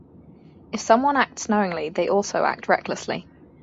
If someone acts knowingly, they also act recklessly.